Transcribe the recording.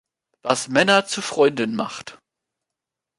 Was Männer zu Freunden macht.